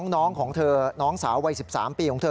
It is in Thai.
น้องของเธอน้องสาววัย๑๓ปีของเธอ